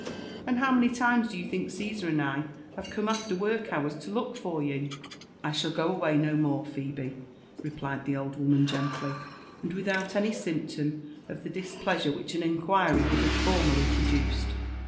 — and how many times do you think Cesar and I have come after work ^hours to look for you V JONATHAN JEFFERSON WHITLAW. «33 •* I shall go away no more, Phebe," replied the old woman, gently, and without any symptom of the displeasure which an inquiry would have formerly produced.